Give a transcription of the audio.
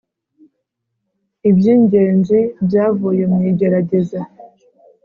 Iby Ingenzi Byavuye Mu Igerageza